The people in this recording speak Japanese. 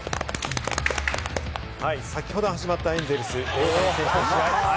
先ほど始まったエンゼルス・大谷選手。